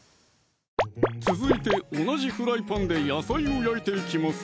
続いて同じフライパンで野菜を焼いていきます